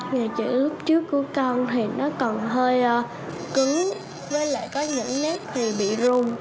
ngày chữ lúc trước của con thì nó còn hơi cứng với lại có những nét thì bị rung